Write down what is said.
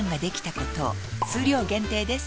数量限定です